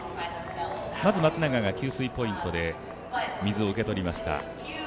まず松永が給水ポイントで水を受け取りました。